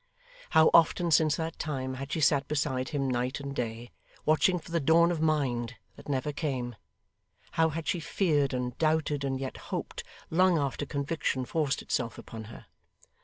How often since that time had she sat beside him night and day, watching for the dawn of mind that never came; how had she feared, and doubted, and yet hoped, long after conviction forced itself upon her!